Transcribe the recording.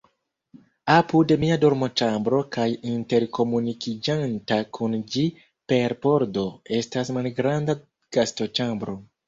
Apud mia dormoĉambro kaj interkomunikiĝanta kun ĝi per pordo estas malgranda gastoĉambro.